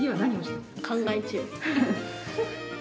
考え中。